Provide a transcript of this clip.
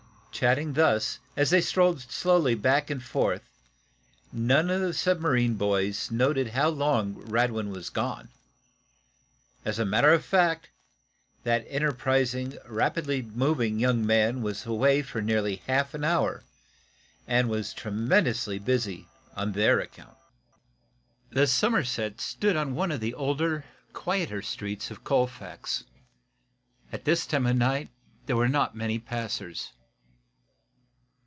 Chatting thus, as they strolled slowly back and forth, none of the submarine boys noted how long Radwin was gone. As a matter of fact, that enterprising, rapidly moving young man was away for nearly half an hour and he was tremendously busy on their account. The Somerset stood on one of the older, quieter streets of Colfax. At this time of the night there were not many passers.